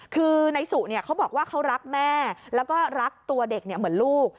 คือนายสุเขาบอกว่าเขารักแม่แล้วก็รักตัวเด็กเหมือนลูก